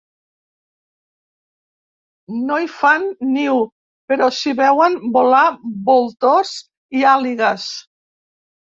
No hi fan niu però s'hi veuen volar voltors i àligues.